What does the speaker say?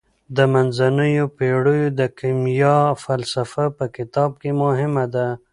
د منځنیو پیړیو د کیمیا فلسفه په کتاب کې مهمه ده.